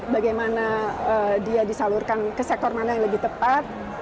bagaimana dia disalurkan ke sektor mana yang lebih tepat